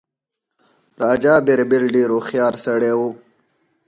راجا بیربل ډېر هوښیار سړی وو.